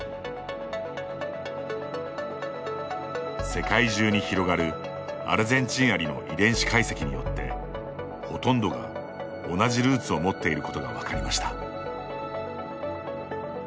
世界中に広がるアルゼンチンアリの遺伝子解析によってほとんどが同じルーツを持っていることが分かりました。